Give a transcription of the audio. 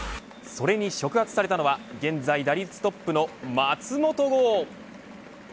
それに触発されたのは現在打率トップの松本剛。